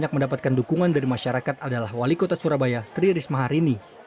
yang mendapatkan dukungan dari masyarakat adalah wali kota surabaya tri risma harini